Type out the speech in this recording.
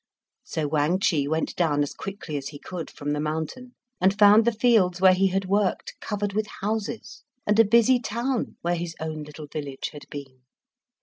So Wang Chih went down as quickly as he could from the mountain, and found the fields where he had worked covered with houses, and a busy town where his own little village had been.